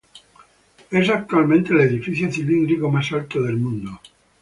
Es actualmente el edificio cilíndrico más alto del mundo.